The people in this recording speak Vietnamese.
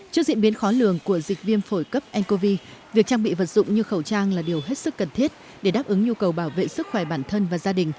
trước diễn biến khó lường của dịch viêm phổi cấp ncov việc trang bị vật dụng như khẩu trang là điều hết sức cần thiết để đáp ứng nhu cầu bảo vệ sức khỏe bản thân và gia đình